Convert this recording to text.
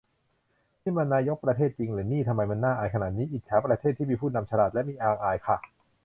นี่มันนายก ประเทศ จริงหรือนี่ ทำไมมันน่าอายขนาดนี้ อิจฉาประเทศ ที่มีผู้นำฉลาด และมียางอายค่ะ